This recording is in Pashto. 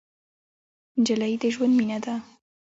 نجلۍ د ژوند مینه ده.